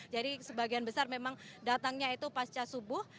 sebagian besar memang datangnya itu pasca subuh